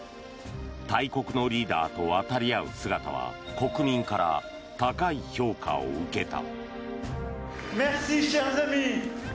大国のリーダーと渡り合う姿は国民から高い評価を受けた。